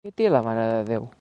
Què té la Mare de Déu?